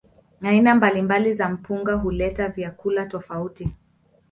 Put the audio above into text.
Aina mbalimbali za mpunga huleta vyakula tofauti.